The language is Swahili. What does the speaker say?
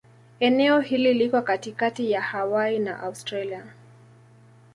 Eneo hili liko katikati ya Hawaii na Australia.